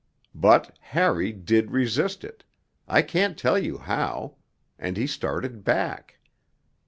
But Harry did resist it I can't tell you how and he started back.